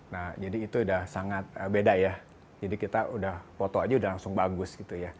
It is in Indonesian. nah jadi itu sudah sangat beda ya jadi kita foto saja sudah langsung bagus